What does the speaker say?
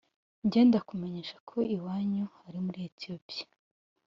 Njye ndakumenyesha ko iwanyu ari muri Ethiopia